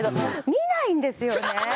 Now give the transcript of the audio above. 見ないですかね？